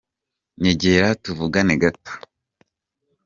Nyegera tuvugane gato.